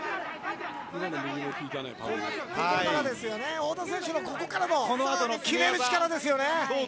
太田選手、ここからの決める力ですよね。